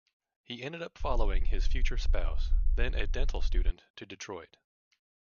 He ended up following his future spouse, then a dental student, to Detroit.